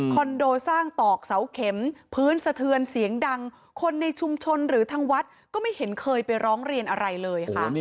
โดสร้างตอกเสาเข็มพื้นสะเทือนเสียงดังคนในชุมชนหรือทางวัดก็ไม่เห็นเคยไปร้องเรียนอะไรเลยค่ะ